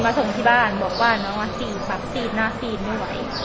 มาส่งที่บ้านบอกว่าบางวันสี่อีกครับสี่อีกหน้าสี่อีกไม่ไหว